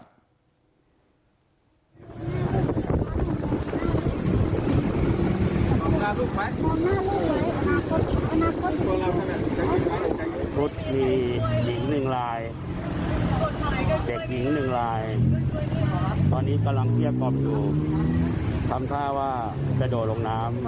รถมีหญิงหนึ่งลายเด็กหญิงหนึ่งลายตอนนี้กำลังเกลี้ยกล่อมอยู่ทำท่าว่าจะโดดลงน้ำ